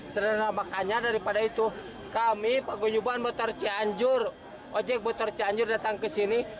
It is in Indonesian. sederhana makanya daripada itu kami paguyuban motor cianjur ojek botor cianjur datang ke sini